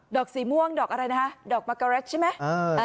ดอกสีม่วงดอกอะไรนะดอกมะกรัสใช่ไหม